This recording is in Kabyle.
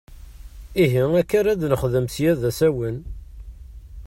Ihi akka ar ad nexdem sya d asawen!